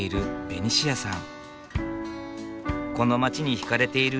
ベニシアさん